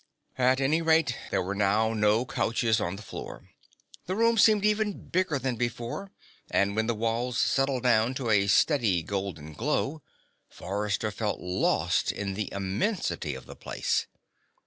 At any rate, there were now no couches on the floor. The room seemed even bigger than before, and when the walls settled down to a steady golden glow, Forrester felt lost in the immensity of the place.